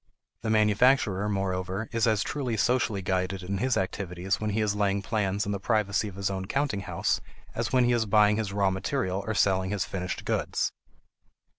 The manufacturer moreover is as truly socially guided in his activities when he is laying plans in the privacy of his own counting house as when he is buying his raw material or selling his finished goods.